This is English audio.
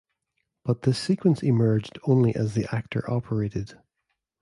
But this sequence emerged only as the Actor operated.